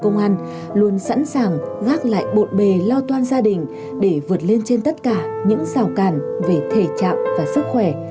công an luôn sẵn sàng gác lại bộn bề lo toan gia đình để vượt lên trên tất cả những rào cản về thể trạng và sức khỏe